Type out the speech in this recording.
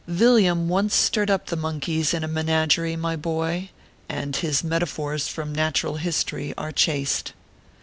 Villiam once stirred up the monkeys in a menagerie, my boy, and his metaphors from Natural History are chaste.